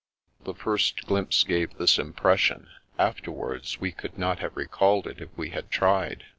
The first glimpse gave this impression; after wards we could not have recalled it if we had tried.